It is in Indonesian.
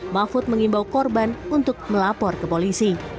mahfud mengimbau korban untuk melapor ke polisi